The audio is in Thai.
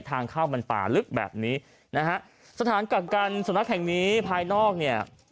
ทางเข้ามันป่าลึกแบบนี้นะฮะสถานกักกันสุนัขแห่งนี้ภายนอกเนี่ย